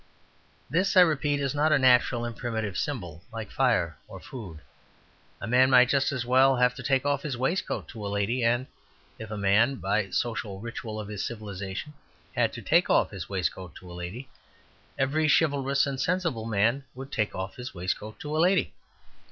This, I repeat, is not a natural and primitive symbol, like fire or food. A man might just as well have to take off his waistcoat to a lady; and if a man, by the social ritual of his civilization, had to take off his waistcoat to a lady, every chivalrous and sensible man would take off his waistcoat to a lady.